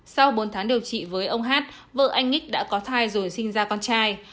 sau bốn tháng điều trị với ông hát vợ anh nghịch đã có thai rồi sinh ra con trai